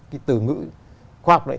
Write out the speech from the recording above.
cái từ ngữ khoa học này